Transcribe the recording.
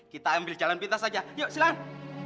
kita ambil jalan pintas aja yuk silang